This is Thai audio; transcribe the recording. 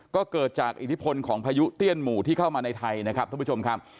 ก็เกิดจากอิทธิพลของพายุเตี้ยนหมู่ที่เข้ามาในไทยนะครับท่านผู้ชมครับ